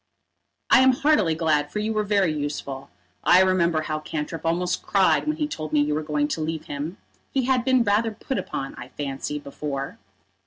"I am heartily glad, for you were very useful. I remember how Cantrip almost cried when he told me you were going to leave him. He had been rather put upon, I fancy, before."